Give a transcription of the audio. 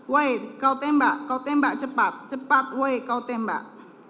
white kau tembak kau tembak cepat cepat weh kau tembak